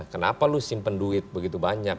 kenapa lu simpen duit begitu banyak